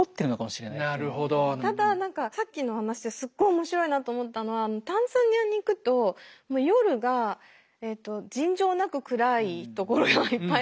ただ何かさっきの話ですっごい面白いなと思ったのはタンザニアに行くと夜が尋常なく暗い所がいっぱいあるんですよ。